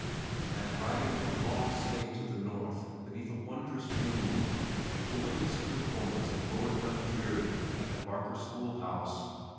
I am riding in a long sleigh to the north beneath a wondrous moon to witness a performance of Lord Dundreary at the Barker school house.